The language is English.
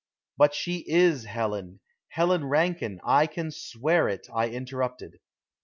"But she is Helen; Helen Rankine. I can swear it," I interrupted.